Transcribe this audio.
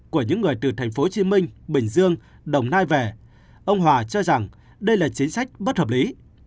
của những người từ tp hcm bình dương đồng nai về ông hòa cho rằng đây là chính sách bất hợp lý